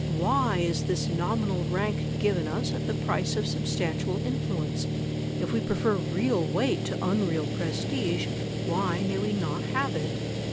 Why is this nominal rank given us, at the price of substantial influence? If we prefer real weight to unreal prestige, why may we not have it?"